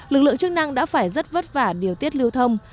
lực lượng chức năng đã phải rất vất vả điều tiết lưu thông